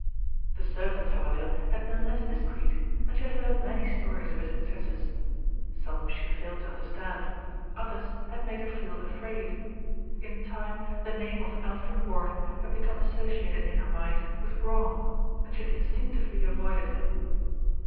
The servants, however, had been less discreet, and she had heard many stories of his excesses. Some she failed to understand, others had made her feel afraid. In time the name of Alfred Warren had become associ ated in her mind with wrong, and she had instinctively avoided him.